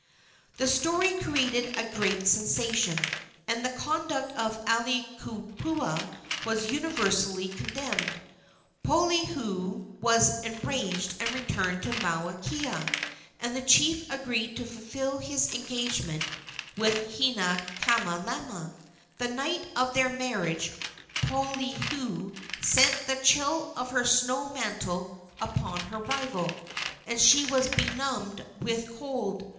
The story created a great sensation, and the conduct of Aiwohikupua was universally condemned. Poliahu was enraged and returned to Mauna Kea, and the chief agreed to fulfil his engagement with Hinaikamalama. The night of their marriage Poliahu sent the chill of her snow mantle upon her rival, and she was benumbed with cold.